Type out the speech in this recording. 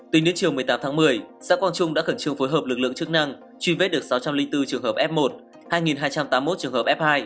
tính đến chiều một mươi tám tháng một mươi xã quang trung đã khẩn trương phối hợp lực lượng chức năng truy vết được sáu trăm linh bốn trường hợp f một hai hai trăm tám mươi một trường hợp f hai